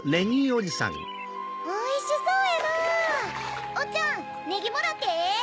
おいしそうやなおっちゃんネギもらってええ？